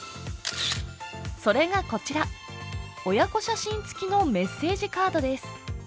それがこちら、親子写真付きのメッセージカードです。